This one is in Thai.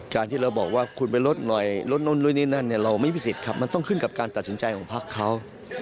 การที่เราบอกว่าคุณไปลดหน่อยลดนู่นนี่นั่นเนี่ยเราไม่มีสิทธิ์ครับมันต้องขึ้นกับการตัดสินใจของพักเขา